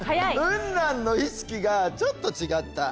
雲南の意識がちょっと違った。